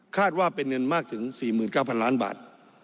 ว่าเป็นเงินมากถึง๔๙๐๐ล้านบาท